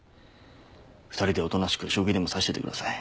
２人でおとなしく将棋でも指しててください。